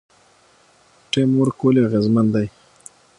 ټیم ورک ولې اغیزمن دی؟